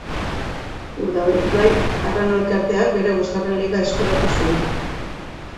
Urdaibai Arraun Elkarteak bere bosgarren Liga eskuratu zuen.